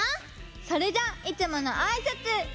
それじゃあいつものあいさつ！